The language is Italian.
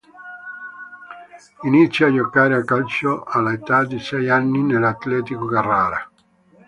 Inizia a giocare a calcio all'età di sei anni nell'Atletico Carrara.